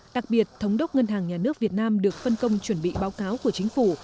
đặc biệt thống đốc ngân hàng nhà nước việt nam được phân công chuẩn bị báo cáo của chính phủ